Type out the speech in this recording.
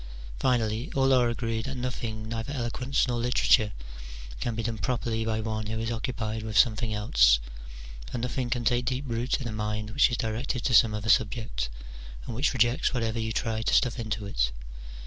Finally, all are agreed that nothing, neither eloquence nor literature, can be done properly by one who is occupied with something else ; for nothing can take deep root in a mind which is directed to some other subject, and which rejects whatever you try to stuff into it.